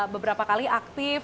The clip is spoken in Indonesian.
beberapa kali aktif